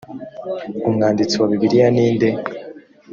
umwanditsi wa bibiliya ni nde?